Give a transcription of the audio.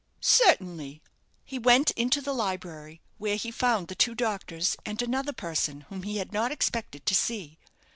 "Certainly." He went into the library, where he found the two doctors, and another person, whom he had not expected to see.